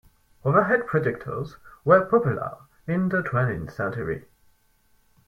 Overhead projectors were popular in the twentieth century.